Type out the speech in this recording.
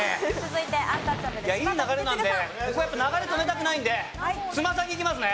いい流れなんでここはやっぱ流れ止めたくないんでつまさきいきますね。